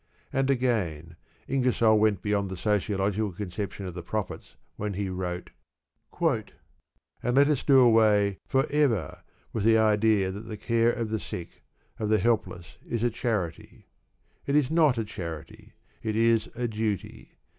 And again, Ingersoll went beyond the sociological conception of the Prophets when he wrote: And let us do away for ever with the idea that the care of the sick, of the helpless, is a charity. It is not a charity: it is a duty.